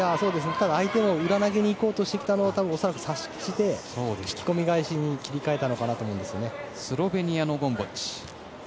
相手が裏投げに行こうとしたのを恐らく察して引き込み返しに切り超えたのかなと思います。